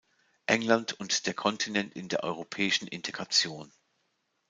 England und der Kontinent in der europäischen Integration“".